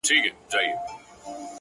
وي د غم اوږدې كوڅې په خامـوشۍ كي!